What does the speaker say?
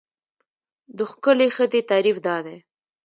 د ښکلې ښځې تعریف دا دی.